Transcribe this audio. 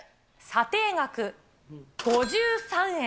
査定額、５３円。